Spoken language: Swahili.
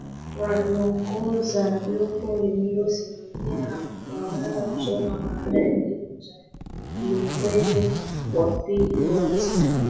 waliongoza jopo lililosimamia na kutawala Choma baada ya kifo cha Lukwele wa pili kuanzia